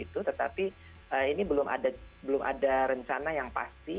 tetapi ini belum ada rencana yang pasti